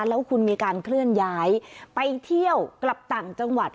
แล้วคุณมีการเคลื่อนย้ายไปเที่ยวกลับต่างจังหวัด